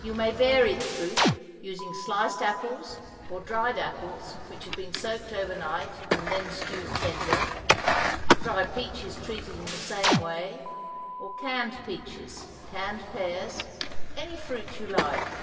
You may vary the fruit, using sliced apples, or dried apples which have been soaked over night, and then stewed tender, dried peaches treated in the same way, or canned peaches, canned pears any fruit you like.